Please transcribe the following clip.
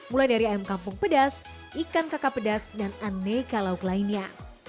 mulai dari ayam kampung pedas ikan kakak pedas dan aneka lauk lainnya